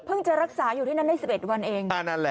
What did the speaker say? จะรักษาอยู่ที่นั่นได้๑๑วันเอง